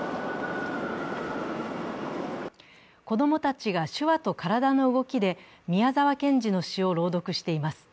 子供たちが手話と体の動きで宮沢賢治の詩を朗読しています。